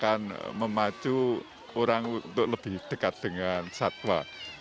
dan memacu orang untuk lebih dekat dengan satwa